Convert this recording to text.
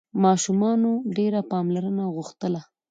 ماشومانو ډېره پاملرنه غوښتله.